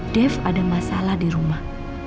dev ada masalah di rumah